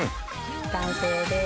完成です。